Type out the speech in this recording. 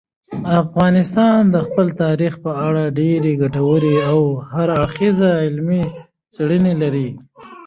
افغانستان د خپل تاریخ په اړه ډېرې ګټورې او هر اړخیزې علمي څېړنې لري.